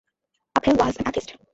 Appell was an atheist.